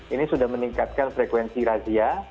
ini sudah meningkatkan frekuensi razia